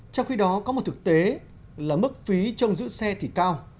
trong khi đó có một thực tế là mức phí trong giữ xe thì cao